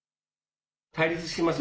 対立しています